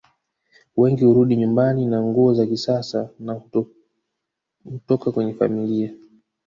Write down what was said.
Wengi hurudi nyumbani na nguo za kisasa na hutoka kwenye familia